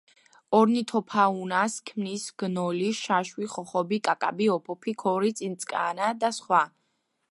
ორნითოფაუნას ქმნის გნოლი, შაშვი, ხოხობი, კაკაბი, ოფოფი, ქორი, წიწკანა და სხვა.